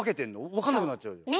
分かんなくなっちゃうじゃん。